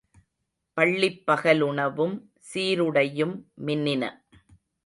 பள்ளிப்பகலுணவும் சீருடையும் மின்னின.